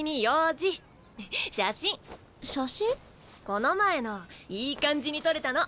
この前のいい感じに撮れたの。